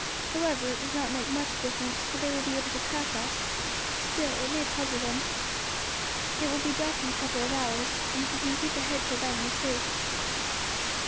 However, it does not make much difference, for they will be able to track us; still, it may puzzle them. It will be dark in a couple of hours, and if we can keep ahead till then we are safe."